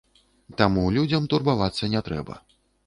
Таму людзям турбавацца не трэба.